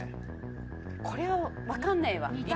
これは分かんないわ２択